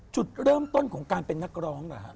จุดเริ่มต้นของการเป็นนักร้องเหรอฮะ